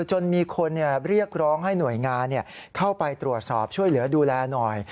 จนมีคนเรียกร้องให้หน่วยงานเข้าไปตรวจสอบช่วยเหลือดูแลหน่อย